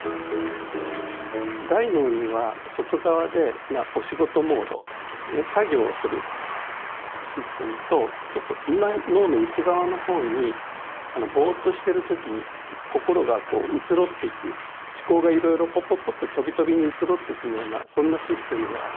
大脳には外側でお仕事モード作業をするシステムとちょっと脳の内側のほうにボーッとしてる時に心が移ろっていく思考がいろいろポッポッポッととびとびに移ろっていくようなそんなシステムがあります。